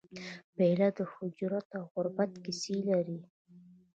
پیاله د هجرت او غربت کیسې لري.